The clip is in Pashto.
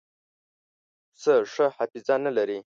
پسه ښه حافظه نه لري.